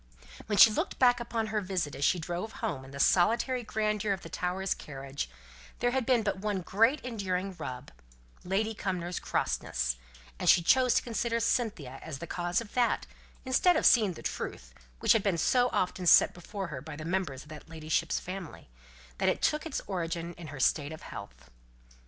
When she looked back upon her visit, as she drove home in the solitary grandeur of the Towers' carriage, there had been but one great enduring rub Lady Cumnor's crossness and she chose to consider Cynthia as the cause of that, instead of seeing the truth, which had been so often set before her by the members of her ladyship's family, that it took its origin in her state of health.